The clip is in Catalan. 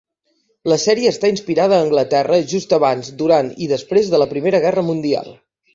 La sèrie està inspirada a Anglaterra just abans, durant i després de la Primera Guerra Mundial.